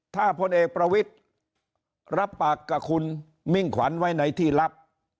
ถ้าพลเอกประวิทธิ์รับปากกับคุณมิ่งขวัญไว้ในที่ลับ